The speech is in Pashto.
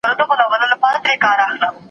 د پلار نصيحت تر هر څه ارزښتناک و.